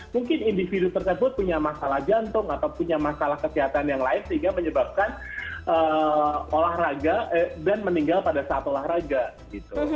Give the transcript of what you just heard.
mungkin individu tersebut punya masalah jantung atau punya masalah kesehatan yang lain sehingga menyebabkan olahraga dan meninggal pada saat olahraga gitu